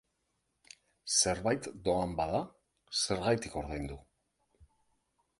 Zerbait doan bada, zergatik ordaindu?